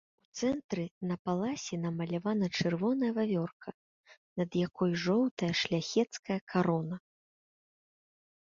У цэнтры на паласе намалявана чырвоная вавёрка, над якой жоўтая шляхецкая карона.